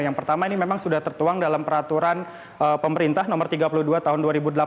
yang pertama ini memang sudah tertuang dalam peraturan pemerintah nomor tiga puluh dua tahun dua ribu delapan belas